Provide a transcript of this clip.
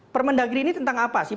permendagri ini tentang apa sih